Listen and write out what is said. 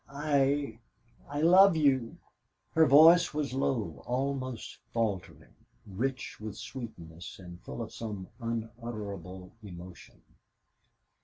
"I I love you." Her voice was low, almost faltering, rich with sweetness, and full of some unutterable emotion.